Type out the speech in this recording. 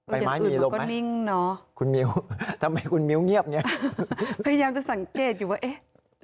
ใบไม้มีลมนิ่งเนอะคุณมิ้วทำไมคุณมิ้วเงียบเนี่ยพยายามจะสังเกตอยู่ว่าเอ๊ะ